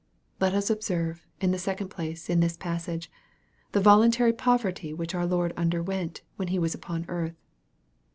Let us observe, in the second place, in this passage, the voluntary poverty which our Lord underwent, when He was upon earth.